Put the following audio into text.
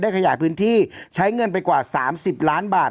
ขยายพื้นที่ใช้เงินไปกว่า๓๐ล้านบาท